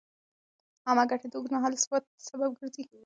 عامه ګټې د اوږدمهاله ثبات سبب ګرځي.